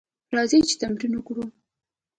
راځئ چې تمرین وکړو: